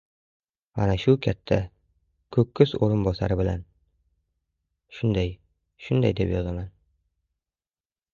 — Ana shu katta... ko‘kko‘z o‘rinbosari bilan... shunday-shunday, deb yozaman!.